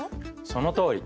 そのとおり。